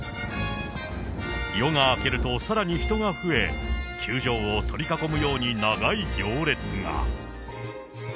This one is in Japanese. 夜が明けると、さらに人が増え、球場を取り囲むように長い行列が。